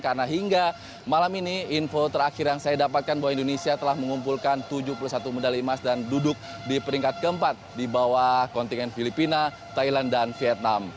karena hingga malam ini info terakhir yang saya dapatkan bahwa indonesia telah mengumpulkan tujuh puluh satu modal imas dan duduk di peringkat keempat di bawah kontinen filipina thailand dan vietnam